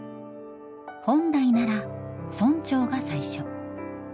本来なら村長が最初。